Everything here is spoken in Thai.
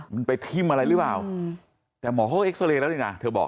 มันไปทิ้มอะไรหรือเปล่าแต่หมอเขาก็เอ็กซาเรย์แล้วนี่นะเธอบอก